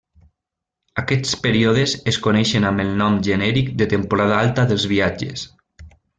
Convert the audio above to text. Aquests períodes es coneixen amb el nom genèric de temporada alta dels viatges.